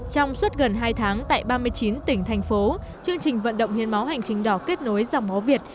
trong suốt gần hai tháng tại ba mươi chín tỉnh thành phố chương trình vận động hiến máu hành trình đỏ kết nối dòng máu việt